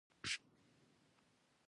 دا به بیا یوه غوغاشی، لکه څاڅکی په څپو کی